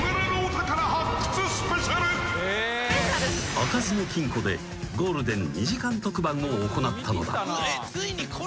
［開かずの金庫でゴールデン２時間特番を行ったのだ］